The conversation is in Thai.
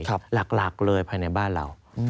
หลักเลยภายในบ้านเรา